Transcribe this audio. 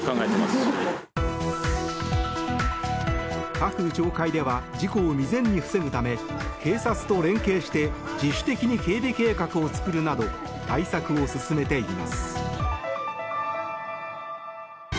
各町会では事故を未然に防ぐため警察と連携して自主的に警備計画を作るなど対策を進めています。